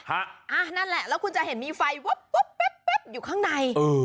นั่นแหละแล้วคุณจะเห็นมีไฟวับแป๊บอยู่ข้างใน